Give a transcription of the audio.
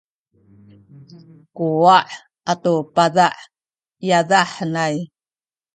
kuwa’ atu paza’ i yadah henay